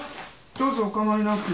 どうぞお構いなく。